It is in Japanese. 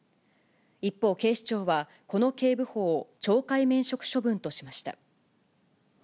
一方、警視庁は、この警部補を、懲戒免職処分としました。